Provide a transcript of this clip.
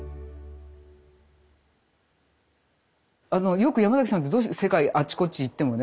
よくヤマザキさんってどうして世界あっちこっち行ってもね